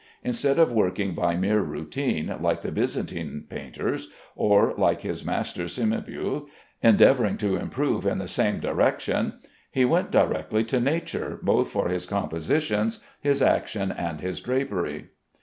Instead of working by mere routine, like the Byzantine painters, or, like his master Cimabue, endeavoring to improve in the same direction, he went direct to nature both for his compositions, his action, and his drapery.